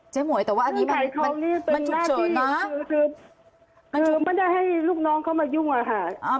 เจ๊หมวยแต่ว่าอันนี้มันมันมันจุดเจิดนะคือไม่ได้ให้ลูกน้องเขามายุ่งอ่ะฮะ